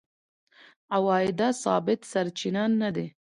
عوایده ثابت سرچینه نه دي.